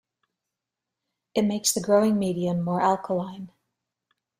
It makes the growing medium more alkaline.